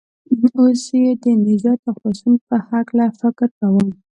اوس چې د نجات او خلاصون په هلکه فکر کوم.